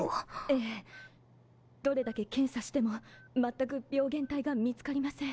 ええどれだけ検査しても全く病原体が見つかりません